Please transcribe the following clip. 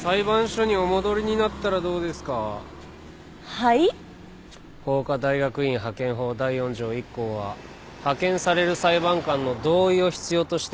はい？法科大学院派遣法第４条１項は派遣される裁判官の同意を必要としています。